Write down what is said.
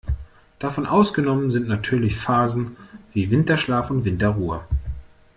Davon ausgenommen sind natürlich Phasen wie Winterschlaf und Winterruhe.